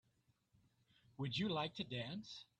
Would you like to dance?